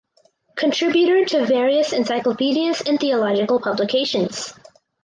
Contributor to various encyclopedias and theological publications